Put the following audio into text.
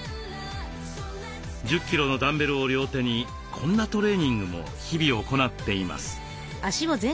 １０キロのダンベルを両手にこんなトレーニングも日々行っています。